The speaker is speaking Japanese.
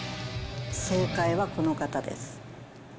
正解はこの方です。